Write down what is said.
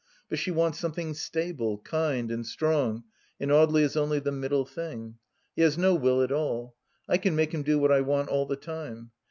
But she wants something stable, kind, and strong, and Audely is only the middle thing. He has no will at all. I can make him do what I want all the time.